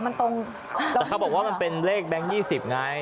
มันเป็นเลขแบงค์๒๐ไง